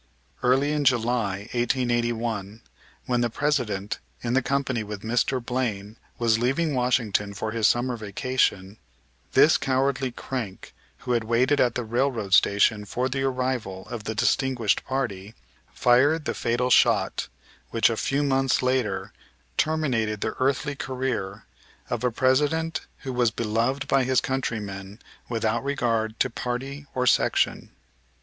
Early in July, 1881, when the President, in company with Mr. Blaine, was leaving Washington for his summer vacation, this cowardly crank, who had waited at the railroad station for the arrival of the distinguished party, fired the fatal shot which a few months later terminated the earthly career of a President who was beloved by his countrymen without regard to party or section.